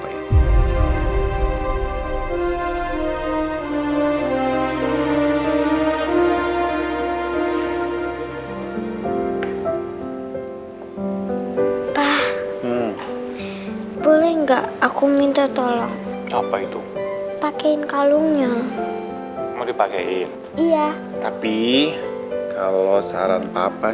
pak boleh nggak aku minta tolong apa itu pakein kalungnya mau dipakai iya tapi kalau saran papa